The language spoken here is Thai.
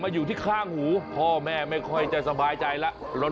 อยู่ที่ข้างหูพ่อแม่ไม่ค่อยจะสบายใจแล้วรถ